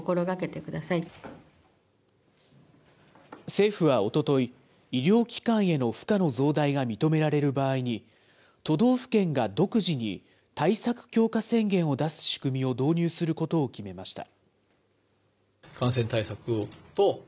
政府はおととい、医療機関への負荷の増大が認められる場合に、都道府県が独自に、対策強化宣言を出す仕組みを導入することを決めました。